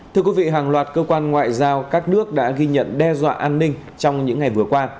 thưa quý vị hàng loạt cơ quan ngoại giao các nước đã ghi nhận đe dọa an ninh trong những ngày vừa qua